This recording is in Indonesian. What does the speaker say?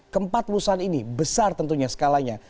keempat perusahaan ini besar tentunya skalanya